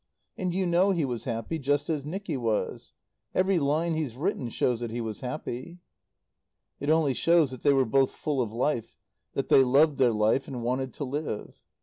And you know he was happy, just as Nicky was. Every line he's written shows that he was happy." "It only shows that they were both full of life, that they loved their life and wanted to live.